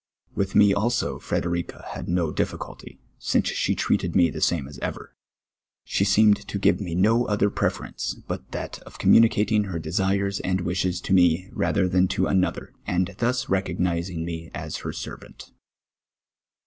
With me also Frederica had no difficulty, since she treated me the same as ever. She seemed to give me no other preference but that of communicating^ her desires and wishes to me rather than to another, and thus reco<piising me as her servant.